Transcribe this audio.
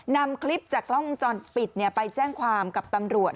นำคลิปจากกล้องวงจรปิดไปแจ้งความกับตำรวจ